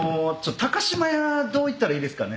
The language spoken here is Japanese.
島屋どう行ったらいいですかね